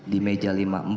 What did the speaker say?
di meja lima puluh empat